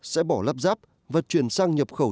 sẽ bỏ lắp ráp và chuyển sang nhập khẩu